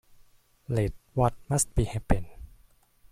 Let what must be, happen.